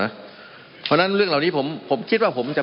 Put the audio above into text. มันมีมาต่อเนื่องมีเหตุการณ์ที่ไม่เคยเกิดขึ้น